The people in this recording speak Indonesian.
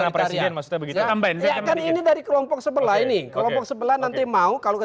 presiden maksudnya begitu tambahin dari kelompok sebelah ini kelompok sebelah nanti mau kalau